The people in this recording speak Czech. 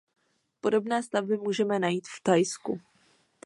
Podobné stavby můžeme najít v Thajsku.